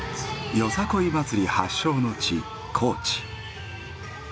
よさこい祭り発祥の地高知。